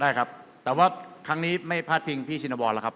ได้ครับแต่ว่าครั้งนี้ไม่พลาดพิงพี่ชินวรแล้วครับ